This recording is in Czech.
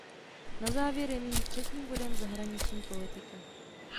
Na závěr je mým třetím bodem zahraniční politika.